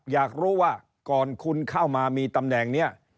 อยากรู้ว่าก่อนคุณเข้ามามีตำแหน่งนี้